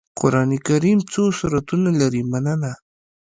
قرآن کريم څو سورتونه لري مننه